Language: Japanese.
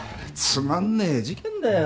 つまんねえ事件だよ。